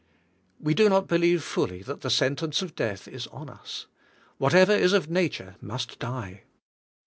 We do not believe fully that the sentence of death is on us. Whatever is of nature must die.